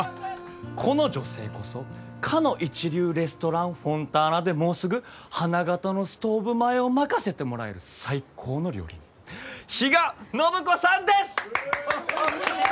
この女性こそかの一流レストランフォンターナでもうすぐ花形のストーブ前を任せてもらえる最高の料理人比嘉暢子さんです！